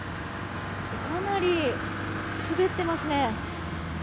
かなり滑っていますね。